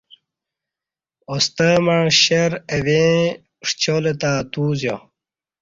اوستہ مع شیر ہ اویں ݜیالہ تہ اتو زہ